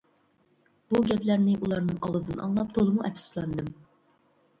بۇ گەپلەرنى ئۇلارنىڭ ئاغزىدىن ئاڭلاپ تولىمۇ ئەپسۇسلاندىم.